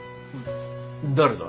誰だ？